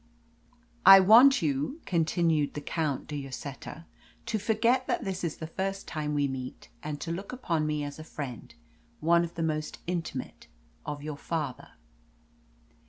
"I want you," continued the Count de Lloseta, "to forget that this is the first time we meet, and to look upon me as a friend one of the most intimate of your father."